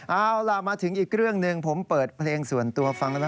เอาล่ะมาถึงอีกเรื่องหนึ่งผมเปิดเพลงส่วนตัวฟังแล้ว